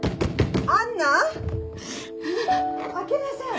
開けなさい！